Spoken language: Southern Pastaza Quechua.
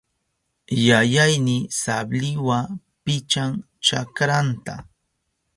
Yayayni sabliwa pichan chakranta.